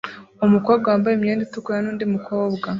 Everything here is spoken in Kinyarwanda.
Umukobwa wambaye imyenda itukura nundi mukobwa